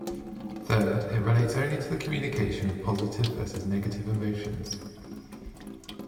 Third, it relates only to the communication of positive versus negative emotions.